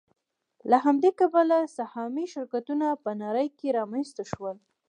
له همدې کبله سهامي شرکتونه په نړۍ کې رامنځته شول